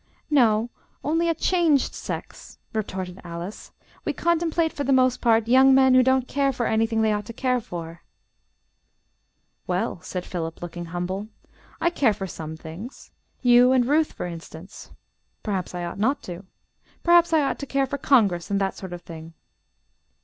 "No, only a changed sex," retorted Alice; "we contemplate for the most part young men who don't care for anything they ought to care for." "Well," said Philip, looking humble, "I care for some things, you and Ruth for instance; perhaps I ought not to. Perhaps I ought to care for Congress and that sort of thing."